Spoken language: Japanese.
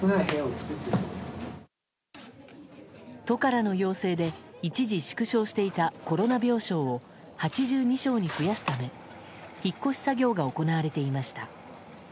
都からの要請で一時縮小していたコロナ病床を８２床に増やすため引っ越し作業が行われていました。